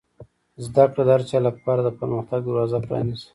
زده کړه د هر چا لپاره د پرمختګ دروازه پرانیزي.